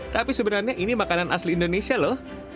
tapi sebenarnya ini makanan asli indonesia loh